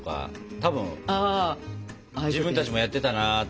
多分自分たちもやってたなって思った。